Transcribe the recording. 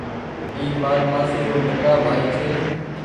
اي مآر مآسي رو ٻيٽآ ڀآئي ڇي